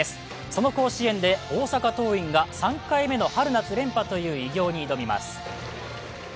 その甲子園で大阪桐蔭が３回目の春夏連覇という偉業に挑みます。